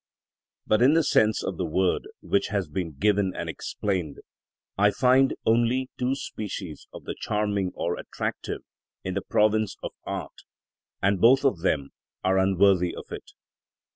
But in the sense of the word which has been given and explained, I find only two species of the charming or attractive in the province of art, and both of them are unworthy of it.